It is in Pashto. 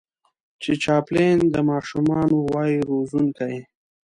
چې چاپلين د ماشومانو وای روزونکی